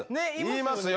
言いますよ。